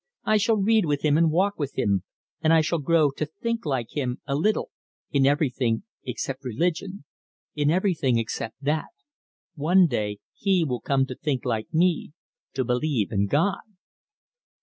I shall read with him and walk with him, and I shall grow to think like him a little in everything except religion. In everything except that. One day he will come to think like me to believe in God."